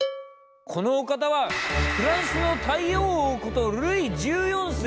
このお方はフランスの太陽王ことルイ１４世。